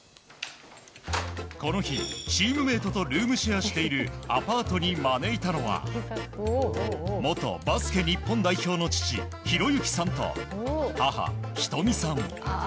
この日、チームメートとルームシェアしているアパートに招いたのは元バスケ日本代表の父啓之さんと母ひとみさん。